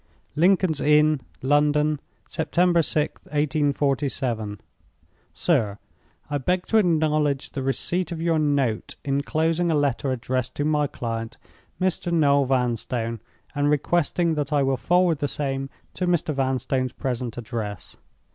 "Lincoln's Inn, London, "September 6th, 1847. "SIR, "I beg to acknowledge the receipt of your note, inclosing a letter addressed to my client, Mr. Noel Vanstone, and requesting that I will forward the same to Mr. Vanstone's present address.